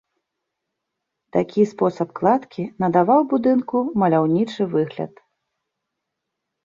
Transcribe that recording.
Такі спосаб кладкі надаваў будынку маляўнічы выгляд.